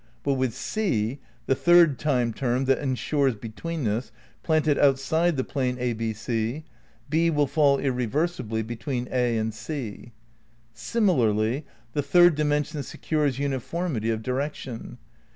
But with C (the third time term that ensures betweenness) planted outside the plane a 6 c, B will fall irreversibly between A and C. Similarly, the third dimension secures uniformity of di rection.